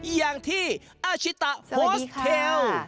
อย่างที่อาชิตะโฟสเทล